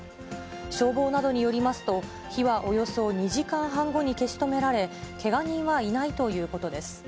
消防などによりますと、火はおよそ２時間半後に消し止められ、けが人はいないということです。